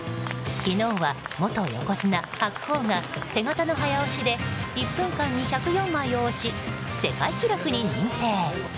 昨日は元横綱・白鵬が手形の早押しで１分間に１０４枚を押し世界記録に認定。